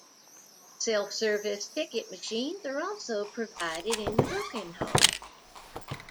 Self-service ticket machines are also provided in the booking hall.